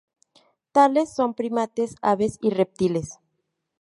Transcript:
Tales son primates, aves y reptiles.